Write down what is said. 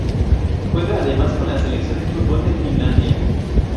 Juega además con la selección de fútbol de Finlandia.